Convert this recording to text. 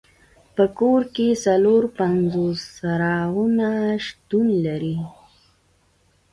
په کور کې څلور پنځوس څراغونه شتون لري.